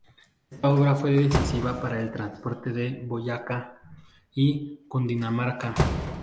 Esta obra fue decisiva para el transporte en Boyacá y Cundinamarca.